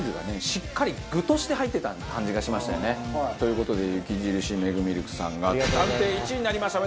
しっかり具として入ってた感じがしましたよね。という事で雪印メグミルクさんが暫定１位になりました。